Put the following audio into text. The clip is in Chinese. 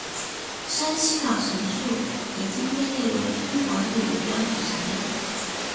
山西老陈醋已经被列为中国地理标志产品。